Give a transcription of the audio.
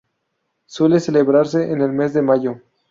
Suele celebrarse en el mes de mayo.